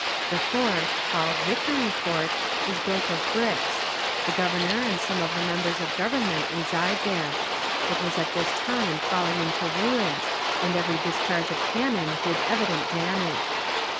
"The fort, called Victory Fort, is built of bricks; the governor and some of the members of government reside there. It was at this time falling into ruins, and every discharge of cannon did evident damage.